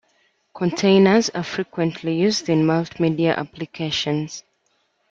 Containers are frequently used in multimedia applications.